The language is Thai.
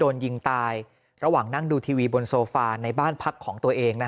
โดนยิงตายระหว่างนั่งดูทีวีบนโซฟาในบ้านพักของตัวเอง